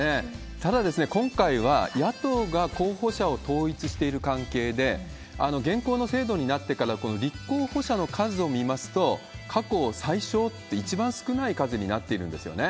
ただ、今回は野党が候補者を統一している関係で、現行の制度になってからこの立候補者の数を見ますと、過去最少って一番少ない数になっているんですよね。